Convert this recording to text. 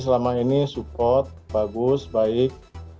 pemerintah sama ini support bagus baik